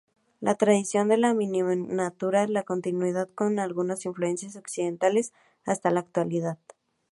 La tradición de la miniatura ha continuado, con algunas influencias occidentales, hasta la actualidad.